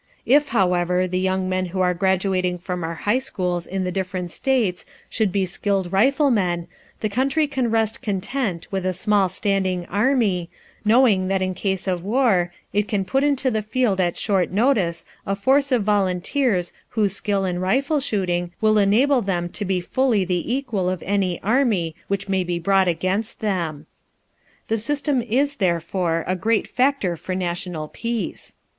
If, however, the young men who are graduating from our high schools in the different States should be skilled riflemen the country can rest content with a small standing army, knowing that in case of war it can put into the field at short notice a force of volunteers whose skill in rifle shooting will enable them to be fully the equal of any army which may be brought against them. The system is, therefore, a great factor for national peace.